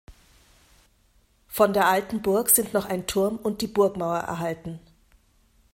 Von der alten Burg sind noch ein Turm und die Burgmauer erhalten.